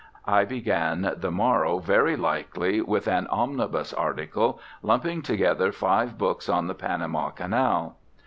I began the morrow, very likely, with an "omnibus article" lumping together five books on the Panama Canal.